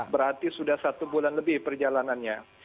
berarti sudah satu bulan lebih perjalanannya